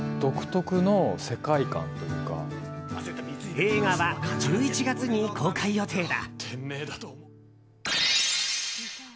映画は１１月に公開予定だ。